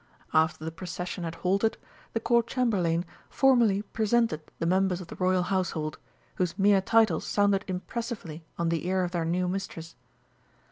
After the procession had halted, the Court Chamberlain formally presented the members of the Royal Household, whose mere titles sounded impressively on the ear of their new Mistress.